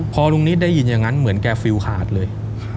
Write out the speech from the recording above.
พอลุงนิดได้ยินอย่างนั้นเหมือนแกฟิลขาดเลย